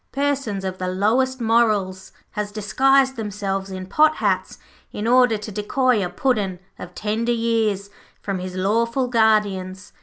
Persons of the lowest morals has disguised themselves in pot hats in order to decoy a Puddin' of tender years from his lawful guardians.